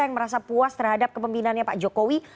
yang merasa puas terhadap kepemimpinannya pak jokowi